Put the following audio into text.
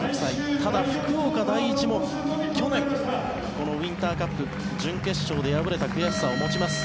ただ、福岡第一も去年、ウインターカップ準決勝で敗れた悔しさを持ちます。